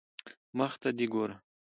مخ ته دي ګوره